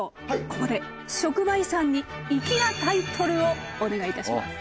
ここで職場遺産に粋なタイトルをお願いいたします。